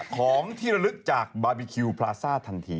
ของที่ระลึกจากบาร์บีคิวพลาซ่าทันที